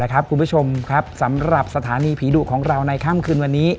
คุณผู้ชมครับสำหรับสถานีผีดุของเราในค่ำคืนวันนี้